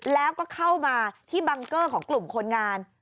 แล้วก็เข้ามาที่บังเกอร์ของกลุ่มคนงาน